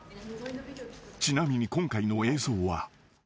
［ちなみに今回の映像は］